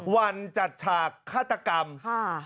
วันจัดฉากฆาตกรรมค่ะ